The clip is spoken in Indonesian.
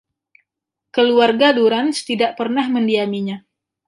Keluarga Durants tidak pernah mendiaminya.